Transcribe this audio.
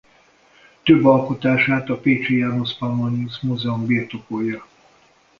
Több alkotását a pécsi Janus Pannonius Múzeum birtokolja.